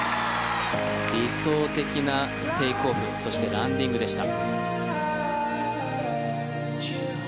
理想的なテイクオフそしてランディングでした。